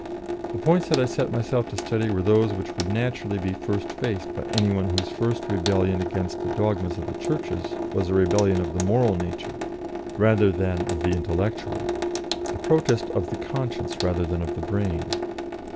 The points that I set myself to study were those which would naturally be first faced by any one whose first rebellion against the dogmas of the Churches was a rebellion of the moral nature rather than of the intellectual, a protest of the conscience rather than of the brain.